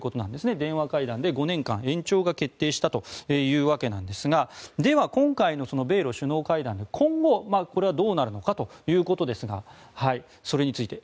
電話会談で５年間延長が決定したというわけですがでは、今回の米ロ首脳会談で今後、これはどうなるのかということですがそれについて。